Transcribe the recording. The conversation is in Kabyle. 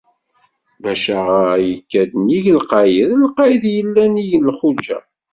Bacaɣa yekka-d nnig Lqayed, Lqayed yella nnig Lxuǧǧa